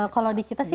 kalau di kita sih